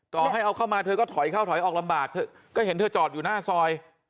ต่อให้เอาเข้ามาเธอก็ถอยเข้าถอยออกลำบากเธอก็เห็นเธอจอดอยู่หน้าซอย